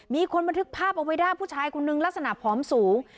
มีคนบันทึกภาพเอาไว้ได้ผู้ชายคนนึงลักษณะผอมสูง